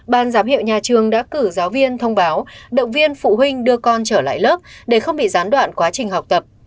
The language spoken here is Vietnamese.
ban giám hiệu nhà trường đã cử giáo viên thông báo động viên phụ huynh đưa con trở lại lớp để không bị gián đoạn quá trình học tập